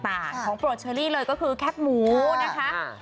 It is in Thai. ของโปรดเชอรี่เลยก็คือแคทหมูนะคะ